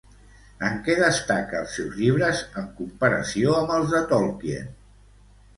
En què destaca els seus llibres, en comparació amb els de Tolkien?